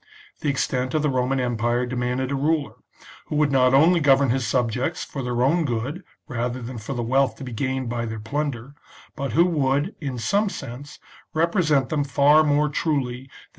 The extent of the Roman empire demanded a ruler, who would not only govern his subjects for their own good rather than for the wealth to be gained by their plunder, but who would, in some sense, represent them far more truly than CONSPIRACY OF CATILINE.